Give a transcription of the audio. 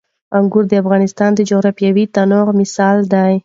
انګور د افغانستان د جغرافیوي تنوع مثال دی.